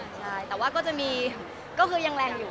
ใช่แต่ว่าก็จะมีก็คือยังแรงอยู่